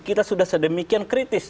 kita sudah sedemikian kritis